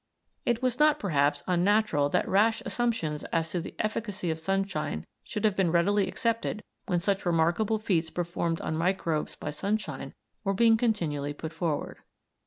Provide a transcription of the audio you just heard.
It was not, perhaps, unnatural that rash assumptions as to the efficacy of sunshine should have been readily accepted when such remarkable feats performed on microbes by sunshine were being continually put forward.